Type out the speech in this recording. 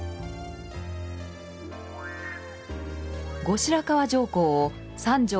後白河上皇を三条